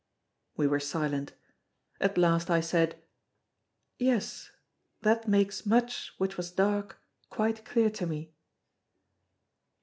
We were silent. At last I said: "Yes, that makes much which was dark quite clear to me."